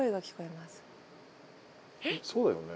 そうよね。